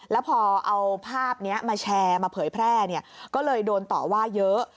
แล้วพอเอาภาพนี้มาแชร์มาเผยแพร่ก็เลยโดนต่อว่าเยอะ